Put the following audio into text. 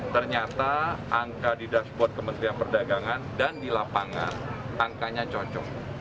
ternyata angka di dashboard kementerian perdagangan dan di lapangan angkanya cocok